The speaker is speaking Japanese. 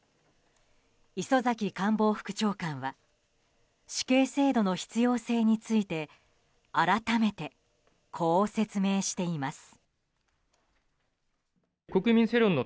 磯崎官房副長官は死刑制度の必要性について改めて、こう説明しています。